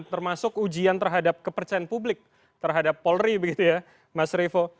termasuk ujian terhadap kepercayaan publik terhadap polri begitu ya mas revo